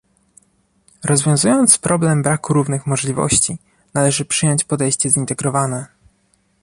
Rozwiązując problem braku równych możliwości, należy przyjąć podejście zintegrowane